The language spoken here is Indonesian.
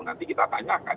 nanti kita tanyakan